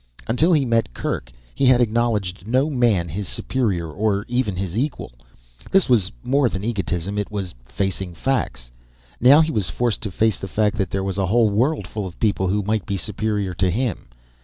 Until he met Kerk he had acknowledged no man his superior, or even his equal. This was more than egotism. It was facing facts. Now he was forced to face the fact that there was a whole world of people who might be superior to him.